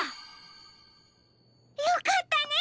よかったね！